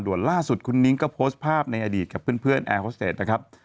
ส่วนล่าสุดคุณนิ้งก็โพสต์ภาพในอดีตกับเพื่อนแอร์ฮอสเตจนะครับ